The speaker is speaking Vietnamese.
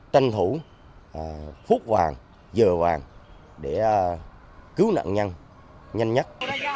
tranh thủ phút vàng giờ vàng để cứu nạn nhân nhanh nhất